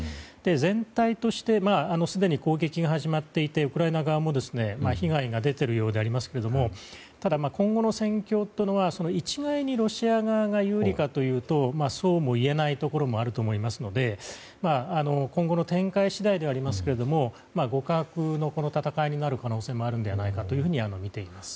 全体としてすでに攻撃が始まっていてウクライナ側も被害が出ているようでありますがただ、今後の戦況というのは一概にロシア側が有利かというとそうも言えないところもあると思いますので今後の展開次第ではありますが互角の戦いになる可能性もあるのではないかとみています。